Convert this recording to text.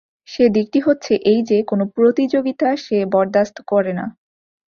সে দিকটি হচ্ছে এই যে, কোন প্রতিযোগিতা সে বরদাস্ত করে না।